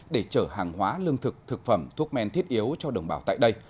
để chở hàng hóa lương thực thực phẩm thuốc men thiết yếu cho đồng bào tại đây